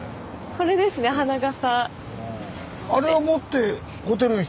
これですね花笠。